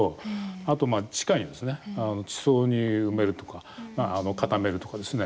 あと地下に、地層に埋めるとか固めるとかですね。